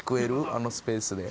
あのスペースで。